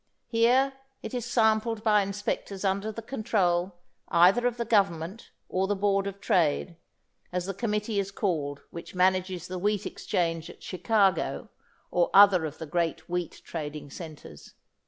Here it is sampled by inspectors under the control, either of the Government or the Board of Trade, as the committee is called which manages the wheat exchange at Chicago or other of the great wheat trading centres.